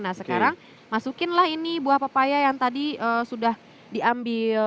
nah sekarang masukinlah ini buah pepaya yang tadi sudah diambil